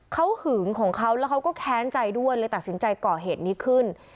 เขาหึงของเขาแล้วเขาก็แค้นใจด้วยเลยตัดสินใจก่อเหตุนี้ขึ้น